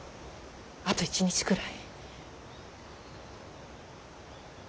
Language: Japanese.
あと１日くらい。